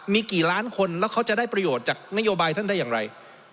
มีกี่ล้านคนแล้วเขาจะได้ประโยชน์จากนโยบายท่านได้อย่างไร